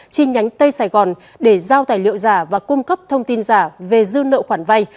chi nhánh tây sài gòn để giao tài liệu giả và cung cấp thông tin giả về dư nợ khoản vay